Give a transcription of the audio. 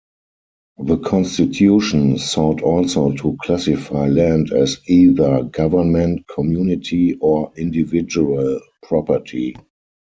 The constitution sought also to classify land as either "government, community, or individual" property.